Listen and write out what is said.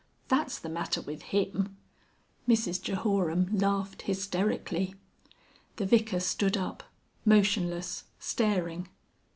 "That's the matter with him." Mrs Jehoram laughed hysterically. The Vicar stood up, motionless, staring.